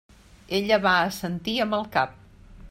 Ella va assentir amb el cap.